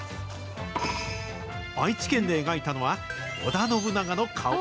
愛知県で描いたのは、織田信長の顔。